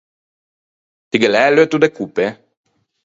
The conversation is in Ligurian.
Ti ghe l’æ l’eutto de coppe?